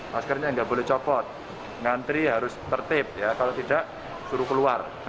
maskernya nggak boleh copot ngantri harus tertip ya kalau tidak suruh keluar